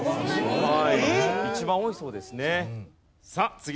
一番多いそうですね。